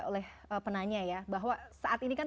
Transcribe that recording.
oleh penanya ya bahwa saat ini kan